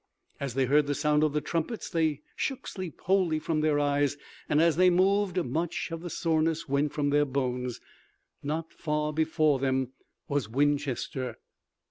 As they heard the sound of the trumpets they shook sleep wholly from their eyes, and, as they moved, much of the soreness went from their bones. Not far before them was Winchester.